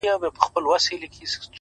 • دا دي كور دى دا دي اور ,